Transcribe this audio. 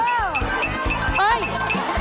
มันยาก